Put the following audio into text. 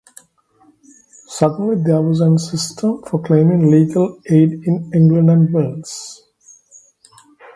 Suddenly there was one system for claiming legal aid in England and Wales.